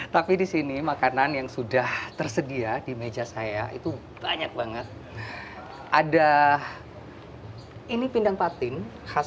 tapi di sini makanan yang sudah tersedia di meja saya itu banyak banget ada ini pindang patin khas